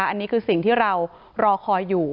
อันนี้คือสิ่งที่เรารอคอยอยู่